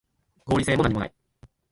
合理性もなにもない